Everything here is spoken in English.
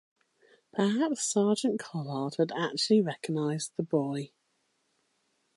Perhaps Sergeant Collard had actually recognized the boy.